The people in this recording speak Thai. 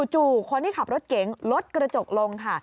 จู่คนที่ขับรถเก๋งลดกระจกลงค่ะ